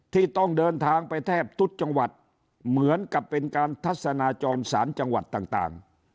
ที่ต้องเดินทางไปแทบทุกจังหวัดเหมือนกับเป็นการทัศนาจรสารจังหวัดต่าง